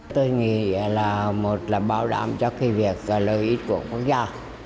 tôi nghĩ là một là bảo đảm cho cái việc và lợi ích của quốc gia